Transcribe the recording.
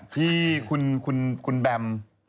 ที่คุณแบม